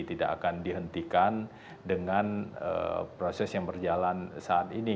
tidak akan dihentikan dengan proses yang berjalan saat ini